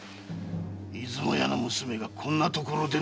出雲屋の娘がこんな所で何をしてる？